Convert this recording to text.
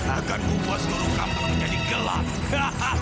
agar kupuas seluruh kampung menjadi gelap